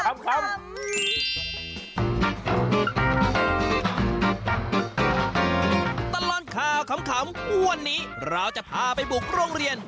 ตลอดข่าวขำวันนี้เราจะพาไปบุกโรงเรียน